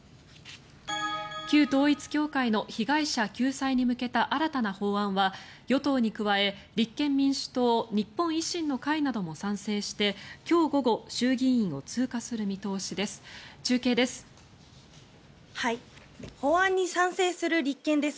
旧統一教会の被害者救済に向けた新たな法案は与党に加え立憲民主党日本維新の会なども賛成して今日午後、衆議院を通過する見通しです。